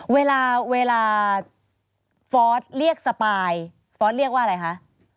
เวลาเวลาฟอร์สเรียกสปายฟอร์สเรียกว่าอะไรคะ